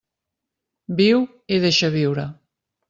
Viu i deixa viure.